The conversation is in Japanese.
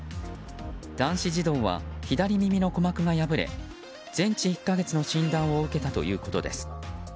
男子児童は左耳の鼓膜が破れ全治１か月の診断を受けたということです。